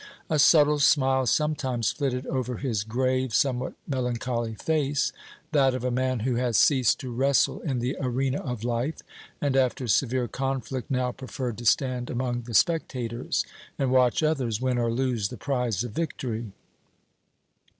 A subtle smile sometimes flitted over his grave, somewhat melancholy face that of a man who has ceased to wrestle in the arena of life, and after severe conflict now preferred to stand among the spectators and watch others win or lose the prize of victory.